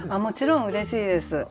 もちろんうれしいです。